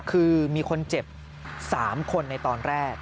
คือมีคนเจ็บ๓คนในตอนแรก